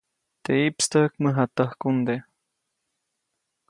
Teʼ ʼiʼpstäjk, mäjatäjkuŋde.